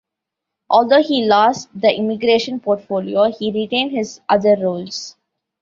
Although he lost the immigration portfolio, he retained his other roles.